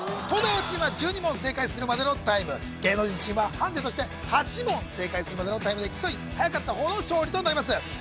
東大王チームは１２問正解するまでのタイム芸能人チームはハンデとして８問正解するまでのタイムで競いはやかった方の勝利となります